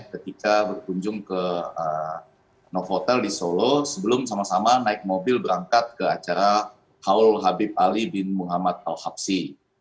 ketika berkunjung ke novotel di solo sebelum sama sama naik mobil berangkat ke acara haul habib ali bin muhammad al habsi